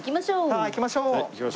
はい行きましょう。